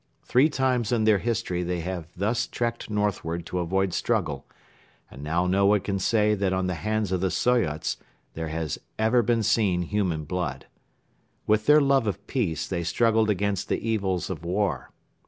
Three times in their history they have thus trekked northward to avoid struggle and now no one can say that on the hands of the Soyots there has ever been seen human blood. With their love of peace they struggled against the evils of war.